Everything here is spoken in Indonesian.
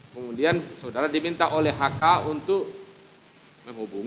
kemudian saudara diminta oleh hk untuk menghubungi